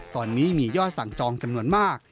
ตอนนี้มียอดสั่งจองจำนวนมาก